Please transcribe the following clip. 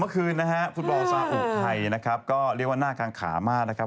เมื่อคืนนะฮะฟุตบอลซาอุไทยนะครับก็เรียกว่าหน้ากางขามากนะครับ